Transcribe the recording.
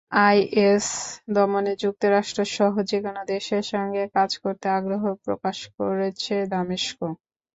Is দমনে যুক্তরাষ্ট্রসহ যেকোনো দেশের সঙ্গে কাজ করতে আগ্রহ প্রকাশ করেছে দামেস্ক।